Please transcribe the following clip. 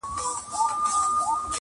پاچهي یې د مرغانو مسخره سوه!.